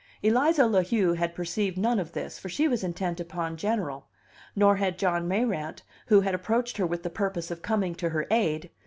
Eliza La Heu had perceived none of this, for she was intent upon General; nor had John Mayrant, who had approached her with the purpose of coming to her aid.